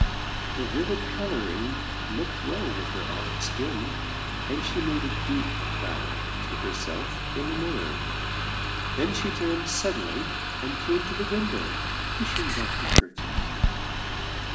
The vivid coloring looked well with her olive skin, and she made a deep bow to herself in the mirror. Then she turned sud denly and came to the window, pushing back the curtain.